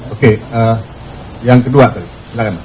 oke yang kedua kali silakan mas